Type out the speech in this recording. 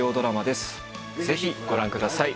ぜひご覧ください。